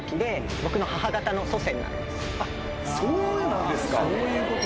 あっそうなんですか！